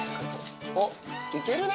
おっ、いけるね。